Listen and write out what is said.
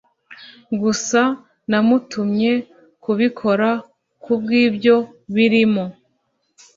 gusa namutumye kubikora kubwibyo birimo